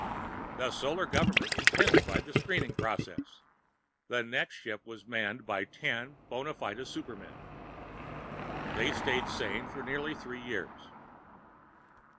The Solar Government intensified the screening process. The next ship was manned by ten bona fide supermen. They stayed sane for nearly three years.